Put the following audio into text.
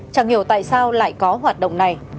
chẳng hiểu tại sao lại có hoạt động này